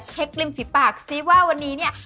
เช็คกลิ้มฝีปากซิว่าวันนี้เนี่ย